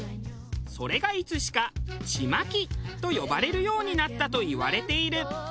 それがいつしか「ちまき」と呼ばれるようになったといわれている。